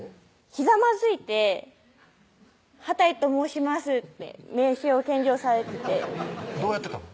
ひざまずいて「幡井と申します」って名刺を献上されててどうやってたの？